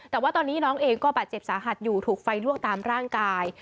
แต่ว่าตอนนี้น้องเองก็บาดเจ็บสาหัสอยู่ถูกไฟลวกตามร่างกาย